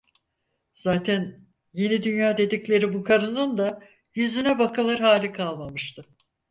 Zaten Yeni Dünya dedikleri bu karının da yüzüne bakılır hali kalmamıştı.